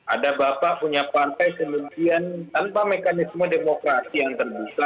ada bapak punya partai kemudian tanpa mekanisme demokrasi yang terbuka